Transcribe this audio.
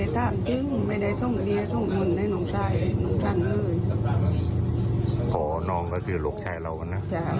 จังน้องก็คือหลวงชายเรานะคะ